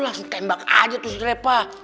langsung tembak aja tuh si lepa